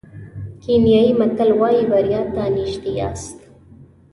کینیايي متل وایي بریا ته نژدې یاست.